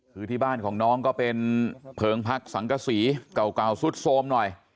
คือที่บ้านของน้องก็เป็นเพลิงพักสังกษีเก่าสุดโทรมหน่อย